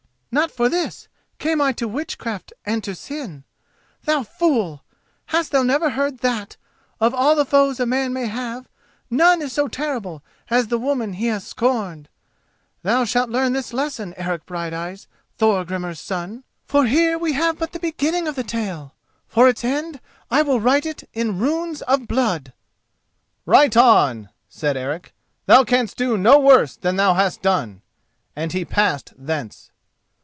"Not for this came I to witchcraft and to sin. Thou fool! hast thou never heard that, of all the foes a man may have, none is so terrible as the woman he has scorned? Thou shalt learn this lesson, Eric Brighteyes, Thorgrimur's son: for here we have but the beginning of the tale. For its end, I will write it in runes of blood." "Write on," said Eric. "Thou canst do no worse than thou hast done," and he passed thence.